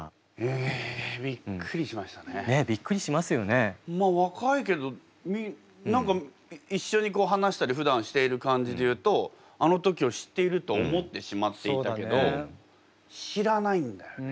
まあ若いけど何か一緒に話したりふだんしている感じでいうとあの時を知っていると思ってしまっていたけど知らないんだよね。